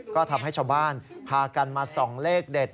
ก็ทำให้ชาวบ้านพากันมาส่องเลขเด็ด